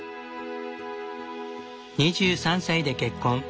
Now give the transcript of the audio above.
２３歳で結婚。